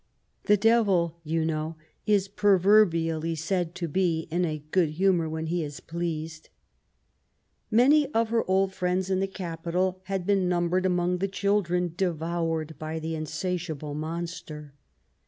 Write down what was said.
" The devil," you know, is proverbially said to be in a good himiour when he is pleased. Many of her old friends in the capital had been numbered among the children devoured by the insa tiable monster.